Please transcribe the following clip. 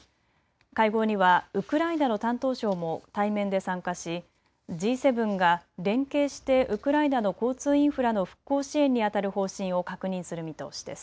会合にはウクライナの担当相も対面で参加し、Ｇ７が連携してウクライナの交通インフラの復興支援にあたる方針を確認する見通しです。